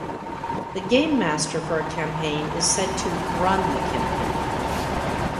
The gamemaster for a campaign is said to "run" the campaign.